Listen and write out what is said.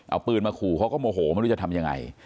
เอาปืนมาขู่เขาก็โมโหไม่รู้จะทำยังไง